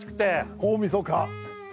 大みそか。